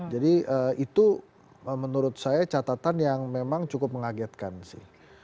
jadi itu menurut saya catatan yang memang cukup mengagetkan sih